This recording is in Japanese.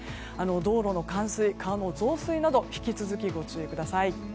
道路の冠水、川の増水など引き続き、ご注意ください。